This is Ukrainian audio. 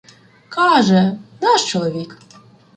Каже: наш чоловік.